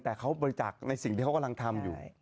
แต่เขาบริจาคในสิ่งที่เขากำลังทำอยู่